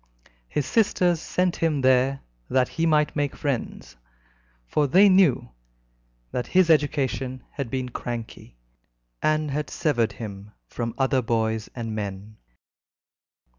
His sisters sent him there that he might make friends, for they knew that his education had been cranky, and had severed him from other boys and men.